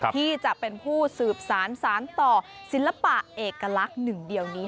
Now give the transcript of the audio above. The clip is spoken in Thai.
ที่จะเป็นผู้สืบสารสารต่อศิลปะเอกลักษณ์หนึ่งเดียวนี้